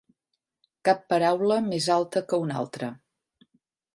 Cap paraula més alta que una altra.